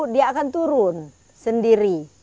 dia akan turun sendiri